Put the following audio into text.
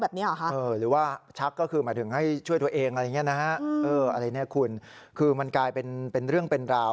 แบบนี้หรอคะหรือว่าชักก็คือหมายถึงให้ช่วยตัวเองอะไรอย่างนี้นะคือมันกลายเป็นเรื่องเป็นราว